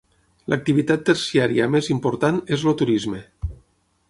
L'activitat terciària més important és el turisme.